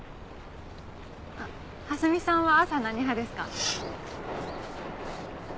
蓮見さんは朝何派ですか？